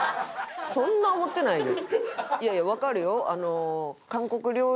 そんな思ってないよ。